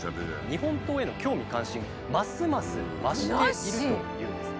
日本刀への興味関心ますます増しているというんです。